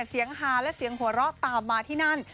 ฮาและเสียงหัวเราะตามมาที่นั่น